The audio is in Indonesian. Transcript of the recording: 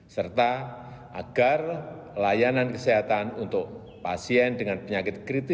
serta agar layanan kesehatan untuk pasien dengan penyakit kritis